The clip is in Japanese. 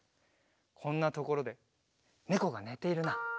こんなところでねこがねているな。